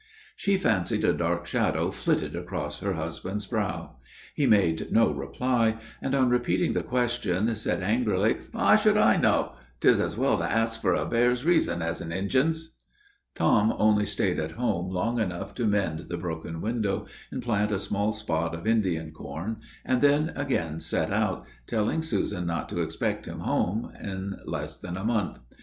She fancied a dark shadow flitted across her husband's brow. He made no reply; and, on repeating the question, said angrily, "How should I know? 'Tis as well to ask for a bear's reasons as an Injin's." Tom only staid at home long enough to mend the broken window, and plant a small spot of Indian corn, and then again set out, telling Susan not to expect him home in less than a month.